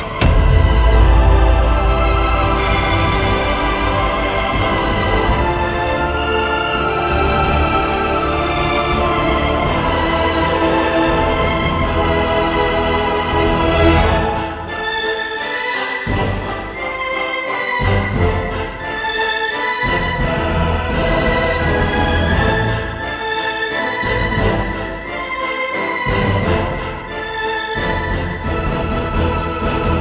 jangan sampai yang ketinggalan